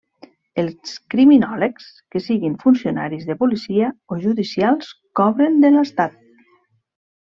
Els criminòlegs que siguin funcionaris de policia, o judicials cobren de l'Estat.